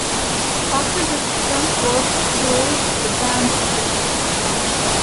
After the Skunkworks tour, the band split.